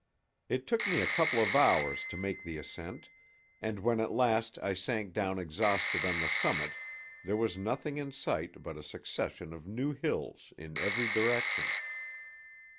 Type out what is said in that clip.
It took me a couple of hours to make the ascent, and when at last I sank down exhausted on the summit there was nothing in sight but a succession of new hills in every direction.